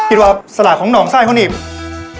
อีกละสตราบของหนองทรายพ่อนิก